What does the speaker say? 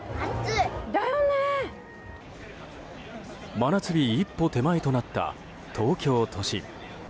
真夏日一歩手前となった東京都心。